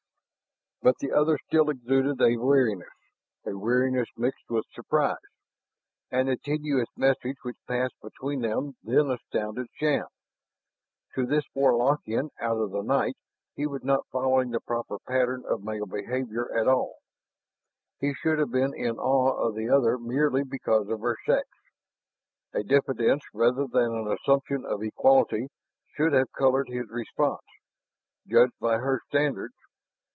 But the other still exuded a wariness, a wariness mixed with surprise. And the tenuous message which passed between them then astounded Shann. To this Warlockian out of the night he was not following the proper pattern of male behaviour at all; he should have been in awe of the other merely because of her sex. A diffidence rather than an assumption of equality should have colored his response, judged by her standards.